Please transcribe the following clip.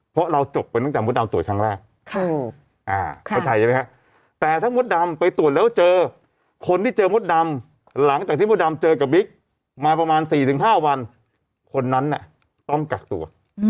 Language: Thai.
เพราะเราจบไปตั้งแต่มดดำตรวจครั้งแรกเข้าใจใช่ไหมครับแต่ถ้ามดดำไปตรวจแล้วเจอคนที่เจอมดดำหลังจากที่มดดำเจอกับบิ๊กมาประมาณ๔๕วันคนนั้นต้องกักตัว